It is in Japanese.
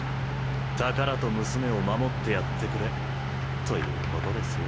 「宝と娘を守ってやってくれ」ということですよ。